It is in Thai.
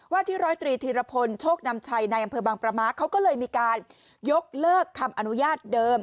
ที่ร้อยตรีธีรพลโชคนำชัยในอำเภอบางประมะเขาก็เลยมีการยกเลิกคำอนุญาตเดิม